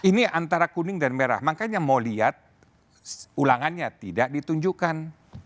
ini antara kuning dan merah makanya mau lihat ulangannya tidak ditunjukkan